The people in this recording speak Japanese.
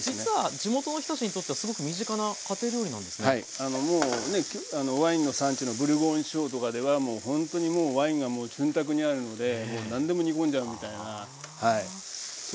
あのもうねワインの産地のブルゴーニュ地方とかではもうほんとにもうワインが潤沢にあるので何でも煮込んじゃうみたいなはい。